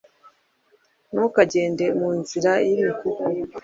ntukagende mu nzira y'imikuku